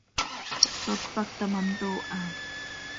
¿Zó tpacta ma ntooha?